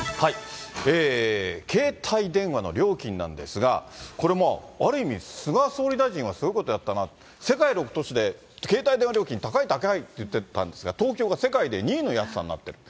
携帯電話の料金なんですが、これある意味、菅総理大臣はすごいことやったな、世界６都市で携帯電話料金高い高いって言ってたんですけど、東京が世界で２位の安さになってると。